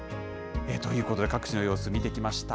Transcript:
ということで、各地の様子見てきました。